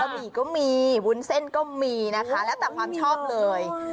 หมี่ก็มีวุ้นเส้นก็มีนะคะแล้วแต่ความชอบเลย